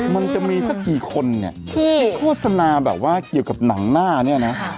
มันจะมีสักกี่คนเนี่ยที่โฆษณาแบบว่าเกี่ยวกับหนังหน้าเนี่ยนะ